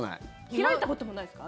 開いたこともないですか？